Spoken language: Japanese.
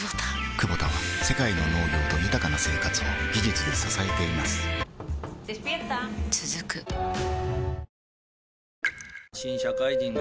クボタは世界の農業と豊かな生活を技術で支えています起きて。